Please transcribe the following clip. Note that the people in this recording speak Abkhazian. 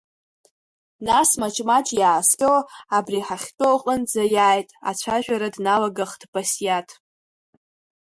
Нас маҷ-маҷ иааскьо абри ҳахьтәоу аҟынӡа иааит, ацәажәара дналагахт Басиаҭ.